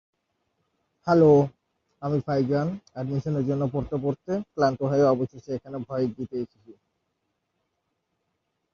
এছাড়াও, ডানহাতে ব্যাটিং করতেন জনি লিন্ডসে।